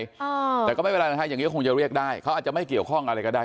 อ่าแต่ก็ไม่เป็นไรนะฮะอย่างนี้ก็คงจะเรียกได้เขาอาจจะไม่เกี่ยวข้องอะไรก็ได้